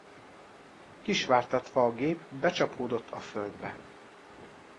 Kisvártatva a gép becsapódott a földbe.